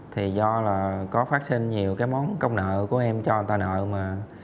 thì do là có phát sinh nhiều cái món công nợ của em cho người ta nợ mà